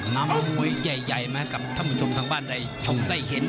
นำมวยใหญ่ใหญ่แม้กับท่านผู้ชมทางบ้านใดชมได้เห็น